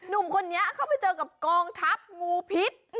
หนุ่มคนนี้เขาไปเจอกับกองทัพงูพิษ